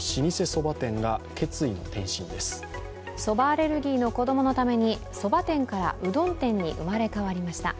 そばアレルギーの子供のためにそば店からうどん店に生まれ変わりました。